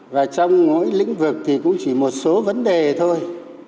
và trong mỗi lĩnh vực thì cũng chỉ một số vấn đề thôi